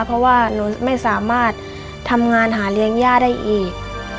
เพราะว่าหนูไม่สามารถทำงานหาเลี้ยงย่าได้อีก